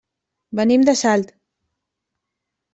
Venim de Salt.